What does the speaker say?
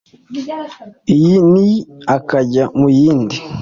iyi niyi akajya mu yindi.